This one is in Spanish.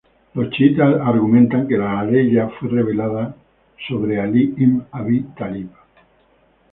Los chiitas argumentan que la aleya fue revelado sobre Ali ibn Abi Talib.